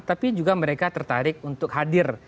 tapi juga mereka tertarik untuk hadir